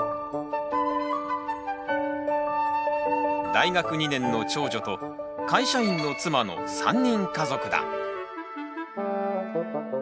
大学２年の長女と会社員の妻の３人家族だ。